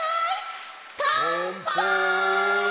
かんぱい！